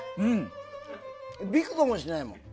びくともしないもん。